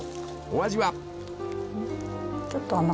［お味は？］